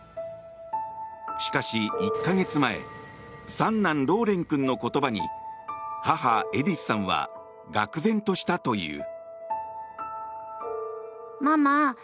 しかし、１か月前三男ローレン君の言葉に母エディスさんはがくぜんとしたという。